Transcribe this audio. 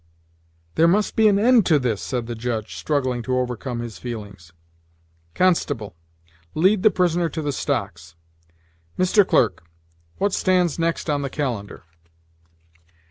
"There must be an end to this," said the Judge, struggling to overcome his feelings. "Constable, lead the prisoner to the stocks. Mr. Clerk, what stands next on the calendar?"